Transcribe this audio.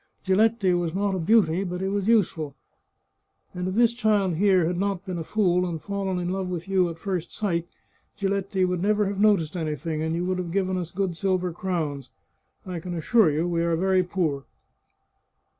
Giletti was not a beauty, but he was useful, and if this child 199 The Chartreuse of Parma here had not been a fool and fallen in love with you at first sight, Giletti would never have noticed anything, and you would have given us good silver crowns. I can assure you we are very poor."